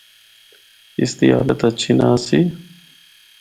اس دی حالت ہچھی نہ آسی۔